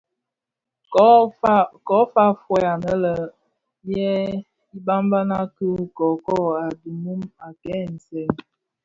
Ko fa fœug anè yè ibabana ki kōkōg a dhimum a kè nsèň.